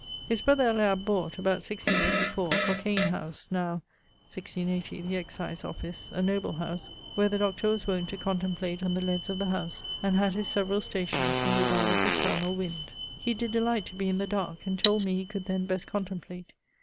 His brother Eliab bought, about 1654, Cockaine house, now(1680) the Excise Office, a noble house, where the Doctor was wont to contemplate on the leads of the house, and had his severall stations, in regard of the sun, or wind. He did delight to be in the darke, and told me he could then best contemplate.